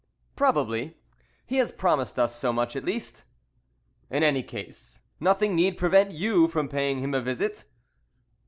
"Probably; he has promised us so much, at least." "In any case, nothing need prevent you from paying him a visit?"